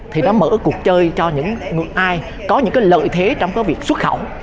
thì nó mở cuộc chơi cho những người ai có những cái lợi thế trong việc xuất khẩu